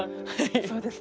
そうですね。